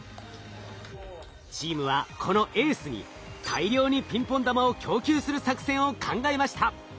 チームはこのエースに大量にピンポン玉を供給する作戦を考えました。